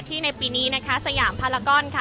ในปีนี้นะคะสยามพารากอนค่ะ